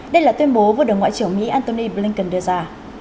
đây là tuyên bố vừa được ngoại trưởng mỹ antony blinken đưa ra